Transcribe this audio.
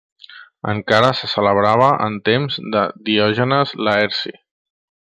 Encara se celebrava en temps de Diògenes Laerci.